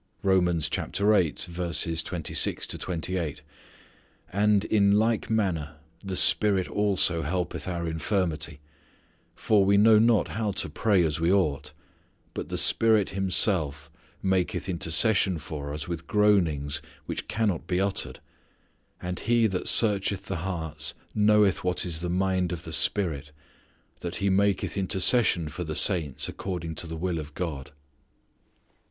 "And in like manner the Spirit also helpeth our infirmity: for we know not how to pray as we ought; but the Spirit Himself maketh intercession for us with groanings which cannot be uttered; and He that searcheth the hearts knoweth what is the mind of the Spirit, that He maketh intercession for the saints according to the will of God."